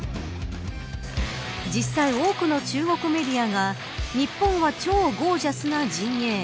実際多くの中国メディアが日本は超ゴージャスな陣営。